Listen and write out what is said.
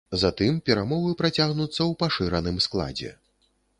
Затым перамовы працягнуцца ў пашыраным складзе.